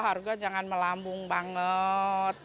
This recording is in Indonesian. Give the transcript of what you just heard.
harga jangan melambung banget